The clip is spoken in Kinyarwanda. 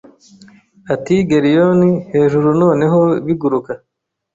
Ati Geryon hejuru Noneho biguruka